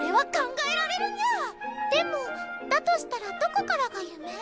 でもだとしたらどこからが夢？